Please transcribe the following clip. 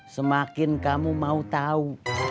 semakin kamu mau tau